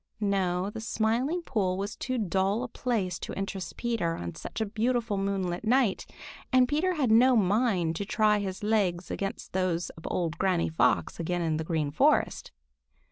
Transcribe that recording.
No, the Smiling Pool was too dull a place to interest Peter on such a beautiful moonlight night, and Peter had no mind to try his legs against those of old Granny Fox again in the Green Forest.